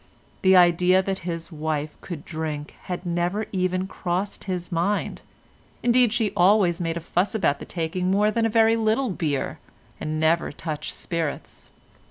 The idea that his wife could drink had never even crossed his mind, indeed she always made a fuss about taking more than a very little beer, and never touched spirits.